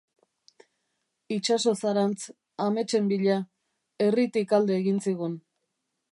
Itsasoz harantz, ametsen bila, herritik alde egin zigun.